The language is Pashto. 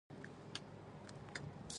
غوښه هګۍ لوبیا او نخود د پروټین ښې سرچینې دي